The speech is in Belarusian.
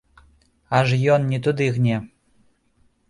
Аж ён не туды гне.